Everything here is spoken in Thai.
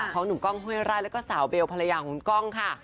ของหนูต้องโฮยร่ายและก็สาวเบลพลยาของก้องค่ะ